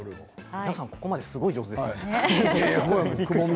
皆さんここまですごく上手ですね。